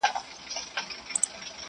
دا د تورزنو د خپلویو ځالۍ-